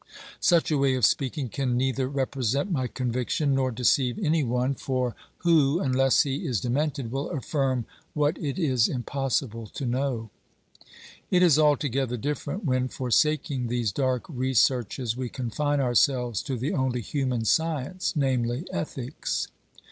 Such a way of speaking can neither represent my conviction nor deceive any one, 344 OBERMANN for who, unless he is demented, will affirm what it is impos sible to know ? It is altogether different when, forsaking these dark re searches, we confine ourselves to the only human science, namely, ethics.